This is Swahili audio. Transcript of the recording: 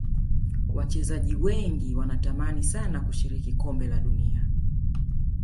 Wachezaji wengi wanatamani sana kushiriki kombe la dunia